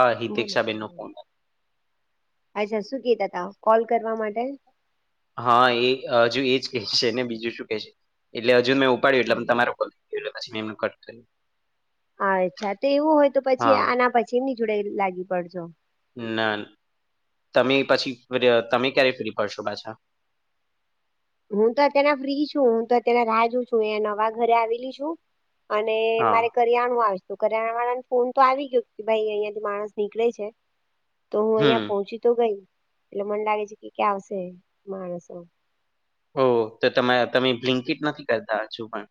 હા બોલો હિતિક્ષાબેનનો બોલો. ફોન અચ્છા શું કતા ત કોલ કરવા માટે. હા એ હજુ એજ કેશે ને બીજું શું કેહે છે એટલે હજુ મેં ઉપાડ્યું એટલે હા. તમારો કોલ એ લક્ષી એમને કટ કર અચ્છા તો એવું હોય તો પછી હા આના પછી એમની જોડઈ લાગી પડજો. ના તમે પછી તમે ક્યારે ફ્રી પડશો પાછા. હું તો અતના ફ્રી છું હું તો અતના રાજુ છું એ નવા ઘરે આવેલી છું. અને હા મારે કરિયાણું આવશે. તો કર્યાણા વાળા ને ફોન તો આવી ગયો કે ભાઈ અહિયાયા થી માણસ નીકળે છે તો હું હમ અહિયાં પહોંચી ગઈ એટલે મને લાગે છે કે ક્યાં આવશે માણસો. ઓ તો તમામે તમે બ્લિન્કટ નથી કરતા હજુ પણ.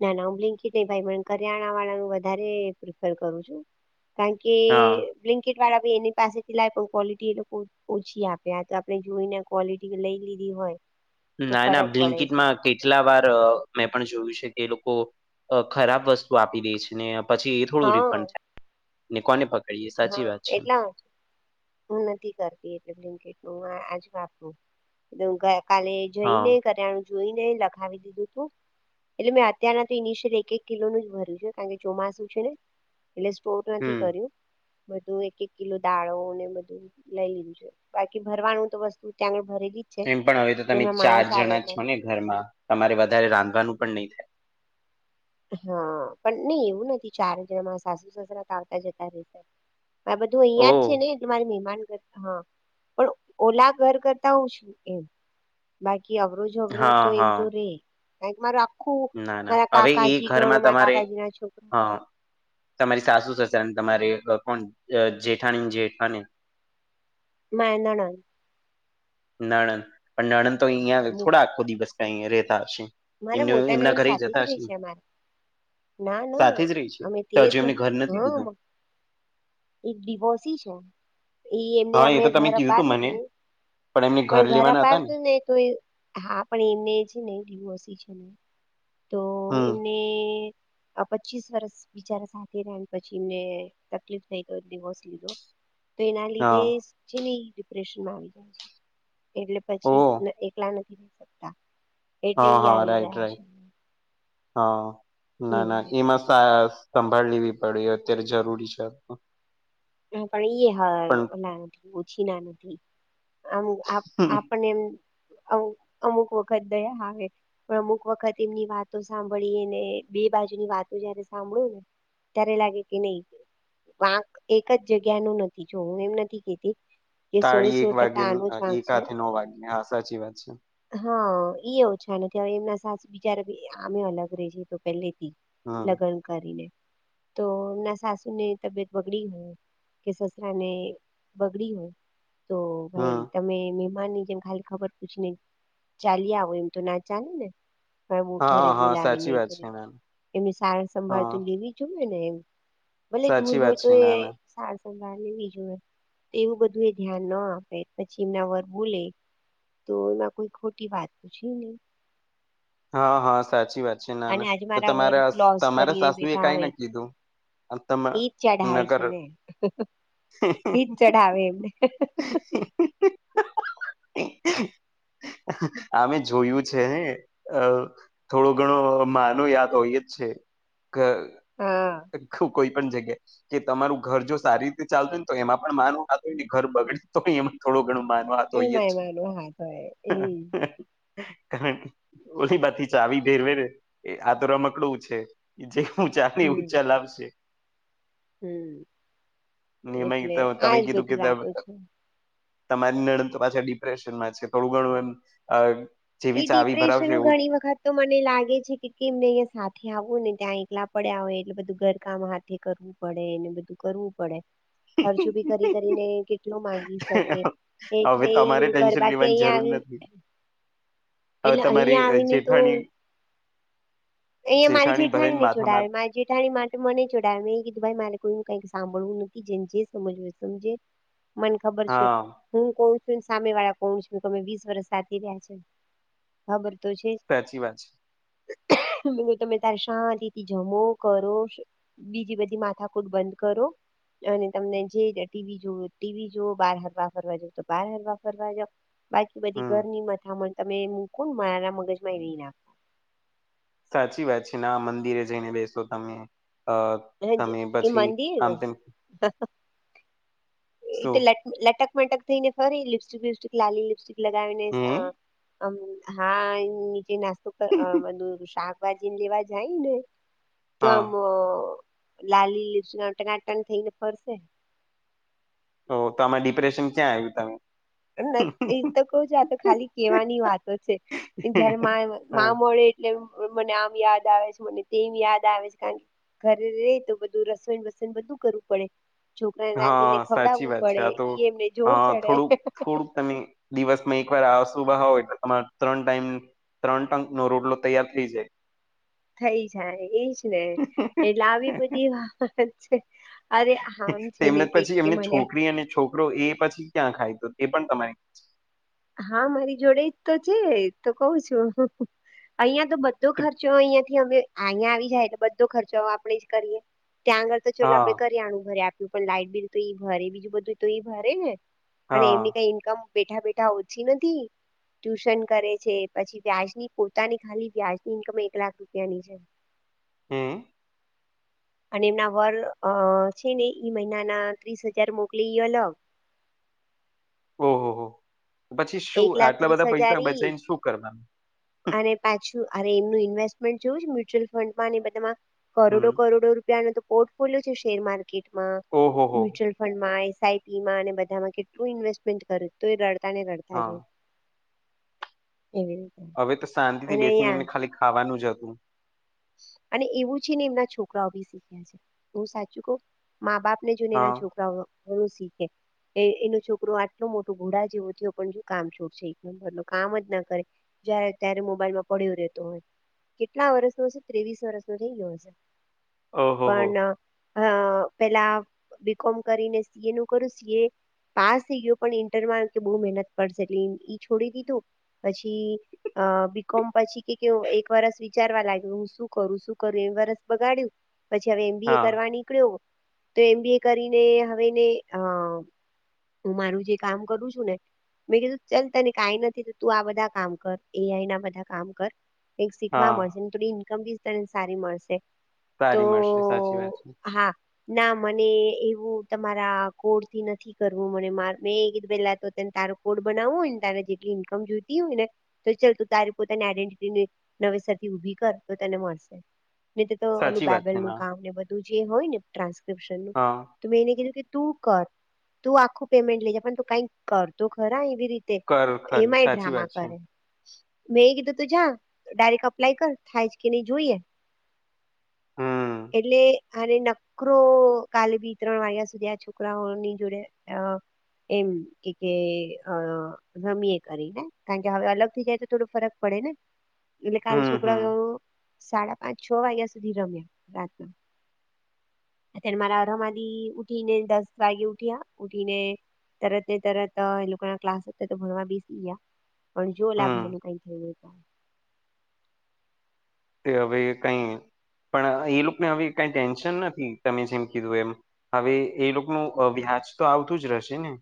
ના ના હુંંકી ન ભાઈ કરિયાણા વાળા વધ પ્રિફર કરું છું. કાઈ કે. હા બ્લકેટ વાળા બી એની પાસેથી લાવ ક્વોલિટી એ લોકો ઓછી આપે આ તો આપણે જોઈને. ક્વલિટી લઈ લીધી હોય. તો ના ના ફરક પડે બ્લિન્કીટ છે માં ક કેટલા વાર મેં પણ જોયું છે કે એ લોકો ખરાબ વસ્તુ આપી દે છે ને પછી. થોડું હા રિફંડ થાય ને કોને પકડીએ. સાચી હા વાત છે એટલા હું નથી કરતી એટલેટ આજપ કાલે હા જઈને કર્યાણું જોઈ ને લખાવી દીધું તું. એટલે મેં અત્યના તો િશયલી એક એક કિલોનુંું જ ભર્યું છે કારણ કે ચોમાસું છે ને. એટલે સ્પોટ નથી હમ કર્યું બધું એક એક કિલો દાળો ને બધું લઈ લીધું છે. બાકી ભરવાનું તો વસ્તુ ત્યાં ભરેલી. જ છે એમ પણ હવે તો તમે એમના ચાર માણસ આવે જણા એટલે છો ને ઘરમાં તમારે વધારે રાંધવાનું પણ નહી થાય. હા પણ નહી એવું નથી ચાર હજારમાં સાસુ સસરા ત આવતા જતા રશે. આ બધું અહિયાં જ છે ઓહ ને તમારે મારે મહેમાન કર હા પણ ઓલા ઘર કરતા હું છું એમ. બાકી અવરોજ અવરોજ હા તો એમ હા તો રે કારણ કે મારો ના ના હવે ઈ ઘરમાં તમારે કાકાજી ના છોકરા હા. તમારી સાસુ સસરા ને તમારી એ કોણ અ જેઠાણી જેઠ અને મારી નણંદ. નણંદ પણ નણંદ તો અહિયાં થોડા આખો દિવસ કાય રેતા હશે. મારા એમને મોટા એમના નણંદ ઘરે સાથે જતા જ રે હશો. છે અમારા ના સાથે ના જ રહી છીએ અમે તો તેર હજુ જણ ઉધી ઘર નથી લીધું. હા એક ડિવોર્સી છે એ એમને હા એ અમે તો તમે ઘર કીધું અપાવ્યું મને તું. પણ ઘર અપાવયતુ ને તો હા પણ એમને છે ને ડિવોર્સી છે તો હમ એમને આ પચીસ વર્ષ બિચારા સાથે ર ને પછી મેં તકલીફ થઈ ગઈ ડિવોર્સ લીધો. તો એના લીધે હા જે ન ડિપ્રેશનમાં આવી જાય છે. એટલે પછી ઓહ ન એકલા નથી થઈ શકતા. એટલે હા ઈ હા આવી રાઈટ ગયા છે રાઈટ હા ના એવી ના રીતે હિમશ. તા સંભાળ લેવી પડે અત્યારે જરૂરી છે. હ પણ ઈ હ પણ ના નથી ઓછી ના નથી. આમ આપ આપને એમ અમુક અમુક વખત દયા આવે. પણ અમુક વખત એમની વાતો સાંભળીને બે બાજુની વાતો જયારે સાંભળુ. ત્યારે લાગે કે નહી વાક. એક જ જગ્યા નું નથી જો હું એમ નથી કેતી કે સોએ તાળી સો એક ટકા આનો જ વાગ્યે વાંક છે એકાથે નવ વાગે હા સાચી વાત છે. હા ઈ ઓછા નથી હવે એમના સાસુ બીચારા ભી આમે અલગ રે છે તો પહેલેથી હમ લગ્ન કરીને તો ના સાસુ ની તબિત વ. બડી કે સસરા ને બગડી હોય. તો હમ ભાઈ તમે મહેમાન ની જેમ ખાલી ખબર પૂછી નહી ચાલી્યા આવો એમ તો ના ચાલે ને. હ બ ઘરે હા હા બોલાવીને સાચી વાત છે ના એને સારા હા સંભાળતું લેવી. જુવે ને એમ ભલે દૂર સાચી હોય વાત તો છે એ ના ના સાર સંભાળ લેવી જોુએ. એવું બધું એ ધ્યાન ના આપે પછી એમના વર બૂલે. તો એમાં કોઈ ખોટી વાત છે નહી. હા હા સાચી વાત છે ના અને ના આજે તો મારા વર તમારા લોસ તમારા કરીને સાસુ એ બેઠા કઈ હોય ના કીધું અ તમ એજ ચઢાવે છે નગર. ને હ એજ ચઢાવે એમને [inaudible] આમે જોયું છે ને. અ થોડો ઘણો માનો યા તો ઈજ છે. હા અ કોઈ પણ જગ્યા કે તમારું ઘર જો સારી રીતે ચાલતું હોયને તો એમાં પણ મારુ આગળની ઘર બગડે. તો ક એમાં થોડું ઘણું માન આ તો હોય એમાં જ. એમાંનો હાથ હોય એ કારણ ઓલી બાથી ચાવી ઘેરવેેરે આ તો રમકડું છે. જે ઊંચાને હમ ઊંચા લાવશે. હમ નિમય એટલે તો તમે આજ કીધું બધી કીધ બ. વાતો છે તમારી નણંદ તો પાછા ડિપ્રેશનમાં છે થોડું ઘણું એમ અ એ ડિપ્રેશન નું ઘણી. એ વખત તો મને લાગે છે કે કેમને અહીંયા સાથે આવું ને ત્યાં એકલા પડ્યા હોય એટલે બધું ઘરકામ હાથે કરવું. પડે એને બધું કરવું પડે ખર્ચો બી કરી કરીને કેટલો માંગી શકે. હવે એટલે એ તમારે એવું ઘર ટેન્શન બાકી લેવાની અહિયાં જરૂર આવીને. નથી હવે એટલે તમારી અહિયાં અ, આવીને તો. જેઠાણી અહં મારી જેઠાણી ભલેને ને માથામાં જોડાવે મારી. જેઠાણી માટે મને જોડાવ મે એ કીધું ભાઈ મારે કોઈ કઈક સાંભળવું નથી જેને જે સમજ સમજે. મને ખબર છે. હા હું કોણ છું ને સામે વાળા કોણ છું કેમે વીસ વર્ષ સાચી રહ્યા છે ખબર તો છે. સાચી વાત છે. તમે તારે શાંતિથી જમો કરો બીજી બધી માથાકૂદ બંધ કરો. અને તમને જે ટીવી જોવ ટીવી જોુઓ બાર હરવા ફરવા જવ તો બાર હરવા ફરવા જાવ. બાકી બધી હમ ઘરની મથામણ તમે મૂકો ને મારા મગજમાં એ નાખ સાચી વાત છે ના મંદિરે જઈને બેસો તમે અ તમે એ પછી મંદિર આમ તેમ [unintelligible] એ શું લ લટક મટક થઈને ફરી લિપસ્ટિક વિપસ્ટિક લાલી લિપસ્ટિક લગાવીને અ હમ મ હા નીચે નાસ્તો કરધું શાક જીને લેવા જાય ને તો હા આમ લાલી લીસ ટનાટન થઈ ને ફરશે. ઓ તો આમાં ડિપ્રેશન ક્યાં આવ્યું તમે. એ તો કહ છે આ તો ખાલી કેવાની વાતો છે જયારે મારે હા મા મળે એટલે મને આમ યાદ આવે છે મને તેમ યાદ આવે છે કારણ કે ઘરે રે તો બધું રસણ વસન બધું કરવું પડે. છોકરાને રાંધીને હા સાચી ખવડાવવું વાત છે પડે આ તો ઈ એમને જોર હા ચડે. થોડુંક થોડુંક તમે દિવસમાં એક વાર આવશો ઉભા હોય તમારે ત્રણ ટાઈમ ત્રણ ટંક નો રોટલો તૈયાર થઈ જાય. થઈ જાય એજ ને એટલે આવી બધી વાત છે. અરે હમ છે ન તેમને કે પછી કે એમની મણ્યા. છોકરી અને છોકરો એ પછી ક્યાં ખાય તો એ પણ તમારે. હા મારી જોડે તો છે તો કવ છું. અહિયાં તો બધો ખર્ચો અહિયાં થી અમે અહીંયા આવી જાય એટલે બધો ખર્ચો આપણેે જ કરીએ. ત્યાં આગળ તો ચાલ હા આપડે કરી આણું ભરે આપ્યું પણ લાઈટ બિલ તો ઈ ભરે બીજું બધું તો ઈ ભરે ને. અને હા એમની કઈ ઈન્કમ બેઠા બેઠા ઓછી નથી. ટ્યુશન કરે છે પછી વ્યાજની પોતાની ખાલી વ્યાજની ઈન્કમ એક લાખ રૂપિયાની છે. [inaudible] હમ. [inaudible] અને એમના વર છે ને ઈ મહિના ના ત્રીસ હજાર મોકલી અલગ. ઓહો હો પછી એક શું લાખ આટલા ત્રીસ બધા હજાર પૈસા ઈ બચીને શું કરવાનું. અને પાછું અરે એમનું ઇન્વેસ્ટમેન્ટ જોવું છે મ્યુચ્યુઅલ ફંડમાં બધામાં. કરોડો હમ કરોડો રૂપિયાનો તો પોર્ટફોલિયો છે શેર માર્કેટમાં ઓહોહો મ્યુચ્યુઅલ ફંડમાં એસઆઈપી અને બધામાં કેટલું ઇન્વેસ્ટમેન્ટ કરે તો એ રડતા ને રડતા. આજે હા એવી. રીતે હવે તો શાંતિ થી અને બેસીને અહિયાં એમને ખાલી ખાવાનું જ હતું. અને એવું છે ને એમના છોકરાઓ ભી શીખ્યા છે હું સાચું ક મા બાપ ને જુને ના હા છોકરાઓ શીખે એ એનો છોકરો આટલો મોટો ઘોડા જેવો થયો પણ જો કામ છોડશે એક નંબર ન કામ જ ના કરે જયારે ત્યારે મોબાઈલમાં પડ્યું રેતું હોય કેટલા વર્ષનો ત્રેવીસ વર્ષ ન થઈ ગયો છે ઓહોહો પણ અ પેલા બી કોમ કરીને સીએ નું કરું સીએ પાસ થઈ ગયો પણ ઇન્ટરમાં કે બહુ મહેનત કરશે એટલે છોડી દીધું પછી અ બીકોમ પછી કે કે એક વરસ વિચારવા લાગે હું શું કરું શું કરું એ વરસ બગાડ્યું પછી હવે એમ બી એ હા કરવા નીકળ્યો તો એમ બી એ કરીને હવે હું મારું જે કામ કરું છું ને મેં કીધું ચાલતા ને કંઈ નથી તું આ બધા કામ કર એઆઈ ના બધા કામ કર એક શીખવા હા મળશે થોડી ઇન્કમ બી ત સારી મળશે તો સારી મળશે સાચી વાત છે હા ના મને એવું તમારા કોડ થી નથી કરવું મને મા મેંી પેલા તો ને તારો કોડ બનાવવું હોય ત જેટલી ઈન્કમ જોઈતી હોય ને તો ચાલ તું તારી પોતાની આઈડેન્ટિટીની નવેસર થી ઊભી કર તો તેને મળશે નહી તે તો ઓલું સાચી વાત બેબલ છે નું ના કામ ને બધું જે હોય ને ટ્રાસક્રિપ્શનનું હા ત મે એને કીધું કે તું કર તું આખું પેમેન્ટ લેજ પણ ત કંઈ કરતો ખરા એવી રી કર ખરી એમાંય સાચી ડ્રામા વાત છે કરે મેં એ કીધું તો જા ડાયરેક્ટ અપ્લાય કર થાય જ કે નહી જોઈએ હમ એટલે અને નકરો કાલે બે ત્રણ વાગ્યા સુધી આ છોકરાઓની જોડે એમ એકે અ રમીએ કરી ને કારણ કે હવે અલગથી જાય તો થોડો ફરક પડે ને એટલે કાલે હમ છોક કરાઓ હમ સાડા પાંચ-છ વાગ્યા સુધી રમ્યા, રાતના અત્યારે મારા અ રમાધી ઉઠી ને દસ વાગે ઉઠ્યા ઉઠીને તરત ને તરત એ લોકોના ક્લાસ અતા તો ભણવા બેસી ગીયા પણ જો ઓલા હમ ભાઈનું કઈ થયું તો તે હવે કઈ પણ એ લોકોને હવે એ કાઈ ટેન્શન નથી, તમે જેમ કીધું એમ હવે એ લોકોનું અ વ્યાજ તો આવતું જ રેહેશે ને?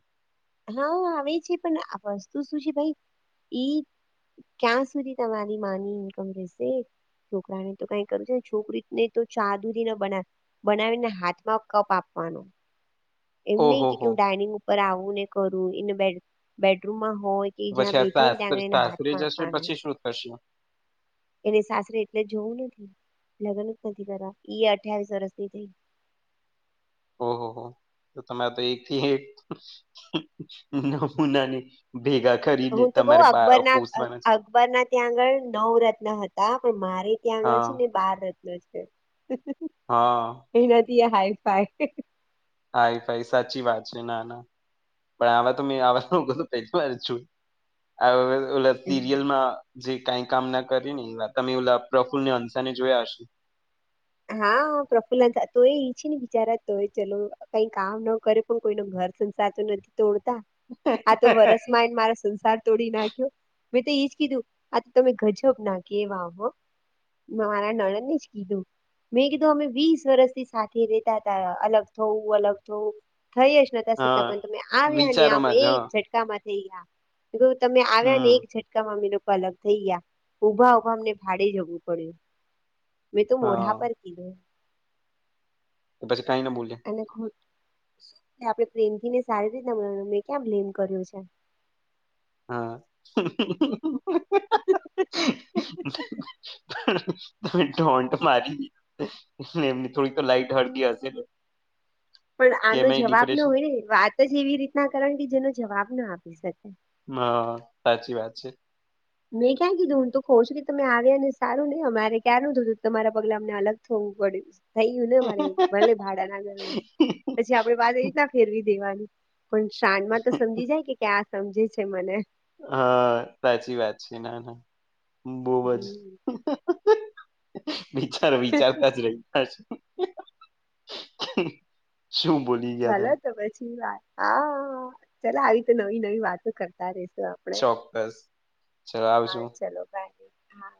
હા, આવે છે પણ આ વસ્તુ શું છે ભઈ ઈ ક્યાં સુધી તમારી માની ઈનકમ રેહેશે? છોકરાને તો કઈ કરું છે, છોકરી ને તો ચા દુધી ને બના બનાવીને હાથમાં કપ આપવાનો. એમ નઈ ઓહો કે હો કેમ ડાઇનિંગ ઉપર આવું ને કરું એને બેડ બેડરૂમમાં હોય કે પછી જ્યાં આ બેઠી હોય સાસ ને ત્યાં જઈને સાસરે હાથમાં જશે આપવાનું. પછી શું થશે? એને સાસરે એટલે જ જવું નથી, લગન જ નથી કરવા ઈ અઠ્યાવીસ વરશની થઈ ઓ હો હો તો તમારે તો એક થી એક નમૂનાની ભેગા કરી હું તો કઉ, અકબરના અ અકબરના ત્યાં આગળ નવરત્ન હતા, પણ મારે ત્યાં આગળ હા છે ને બાર રત્ન છે. હ, એના થીય હાય ફાય હા, ઈ ભાય સાચી વાત છે. ના, ના પણ આવા તો [unintelligible] પહેલી વાર જોયું, આવા તો ઓલા સિરિયલમાં જે કાઈ કામ ના કર્યું ને [unintelligible] તમે ઓલા પ્રફુલ્લને અંસાને જોયા હશે. હા, પ્રફુલ્લન ને તા તો ઈ છે ને બિચારા તોય ચલો કઈ કામ નો કરે પણ કોઈ નો ઘર સંસાર તો નથી. તોડતા આ તો વરસમાં [unintelligible] મારા સંસાર તોડી નાખ્યો, મેં તો એજ કીધું આ તો તમે ગજબ ના કેવાવ હો મારા નળનને જ કીધું. મેં કીધું, અમે વીસ વરસથી સાથે રેતા અતા. અલગ થવું અલગ થવું થઈ જ [unintelligible] છતા હા પણ તમે આવ્યા નઈ, આમ વિચારોમાં જ હ એક ઝટકામાં થેઈ ગીયા, જો તમે આવ્યા ને હમ એક ઝટ [unintelligible] મમ્મી લોકો અલગ થેઈ ગયા, ઊભા ઊભા અમને ભાડે જવું પડ્યું. મેં તો મોઢા હા પર કીધું. પછી કાઈ ન બોલ્યા? [unintelligible] આપડે પ્રેમથી ને સારી રીતે [unintelligible] મે ક્યાં બ્લેમ કર્યો છે. [unintelligible] [unintelligible] એમની થોડી તો લાઈટ હળગી હશેને? પણ આનો જવાબ ન હોય ને, વાત જ એવી રીતના કરે ને કે જેનો જવાબ ન આપી શકે. મ સાચી વાત છે. મેં ક્યાં કીધું, હું તું કઉ છું કે તમે આવ્યા ને સારું નઈ અમારે ક્યારનું જુદુ તમારા પગલા અમને અલગ થવું પડ્યું. થઈ ગયું ને મારે, ભલે ભાડાના ઘરમાં પછી આપડે વાત ઈરીતના ફેરવી દેવાનું. પણ શાનમાં તો સમજી જાય કે, કે આ સમજે છે મને. હા, સાચી વાત છે. ના, ના, બોવ જ વિચારો વિચારતા જ રહીતા છે. શું બોલી ગીયા ચાલો તમે? તો પછી વાત હા, ચલો આવી તો નવી નવી વાતો કરતા રેશું. તો આપડે, ચોક્કસ ચલો આવજો. હા, ચલો બાય, હા.